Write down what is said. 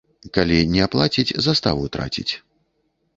Калі не аплаціць, заставу траціць.